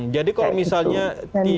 jadi kalau misalnya tidak